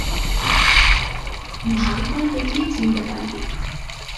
ভালো করে দেখলেই চিনতে পারবি।